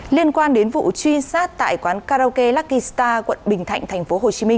liên quan đến vụ truy sát tại quán karaoke lucky star quận bình thạnh tp hcm